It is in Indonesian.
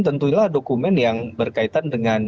tentu saja dokumen yang berkaitan dengan jp